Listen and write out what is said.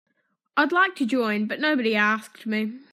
I'd like to join but nobody asked me.